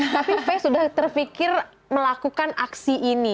tapi fay sudah terpikir melakukan aksi ini